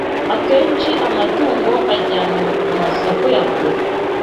Akenshi amatungo ajyanwa ku masoko ya kure